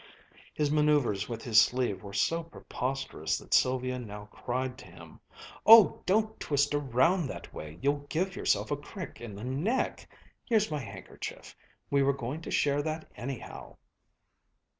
His manoeuvers with his sleeve were so preposterous that Sylvia now cried to him: "Oh, don't twist around that way. You'll give yourself a crick in the neck. Here's my handkerchief. We were going to share that, anyhow."